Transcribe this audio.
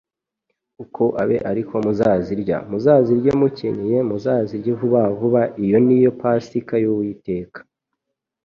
Uku abe ari ko muzazirya: muzazirye mukenyeye, muzazirye vuba vuba. Iyo ni yo Pasika y'Uwiteka.